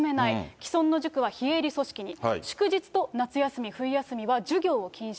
既存の塾は非営利組織に、祝日と夏休み、冬休みは授業を禁止。